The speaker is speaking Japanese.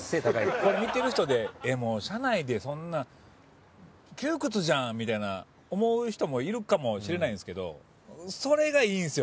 これ見てる人で車内でそんなん窮屈じゃんみたいな思う人もいるかもしれないんですけどそれがいいんですよ